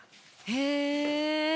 へえ。